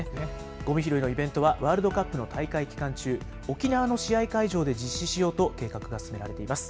ごみ拾いのイベントはワールドカップの大会期間中、沖縄の試合会場で実施しようと計画が進められています。